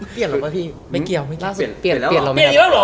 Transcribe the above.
เปลี่ยนแล้วหรอพี่ไม่เกี่ยวเปลี่ยนแล้วหรอ